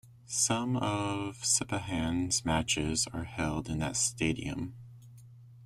Some of Sepahan's matches are held in that stadium.